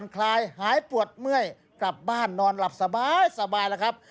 กดเมื่อยกลับบ้านนอนหลับสบายแล้วครับ